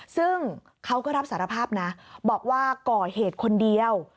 ซึ่งเขาก็รับสารภาพนะบอกว่าก่อเหตุคนเดียว